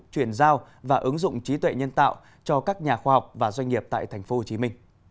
chuyển giao và ứng dụng trí tuệ nhân tạo cho các nhà khoa học và doanh nghiệp tại tp hcm